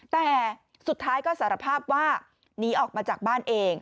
แต่สุดท้ายก็สารภาพว่าหนีออกมาจากบ้านเอง